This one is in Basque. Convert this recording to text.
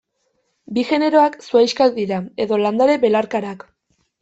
Bi generoak zuhaixkak dira, edo landare belarkarak.